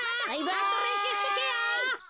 ちゃんとれんしゅうしとけよ。